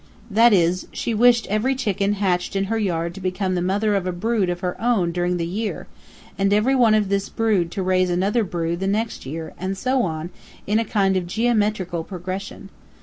That is, she wished every chicken hatched in her yard to become the mother of a brood of her own during the year, and every one of this brood to raise another brood the next year, and so on, in a kind of geometrical progression.